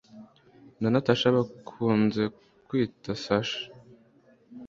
na Natasha bakunze kwita Sasha